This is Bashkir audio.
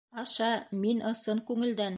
Аша, мин ысын күңелдән...